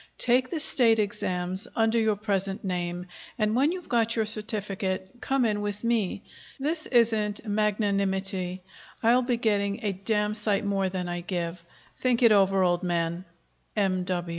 Take the State exams under your present name, and when you've got your certificate, come in with me. This isn't magnanimity. I'll be getting a damn sight more than I give. Think it over, old man. M.